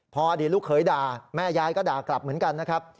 พออดีตลูกเขยด่าแม่ยายก็ด่ากลับเหมือนกันนะครับ